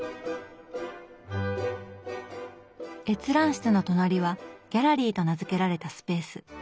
閲覧室の隣は「ギャラリー」と名付けられたスペース。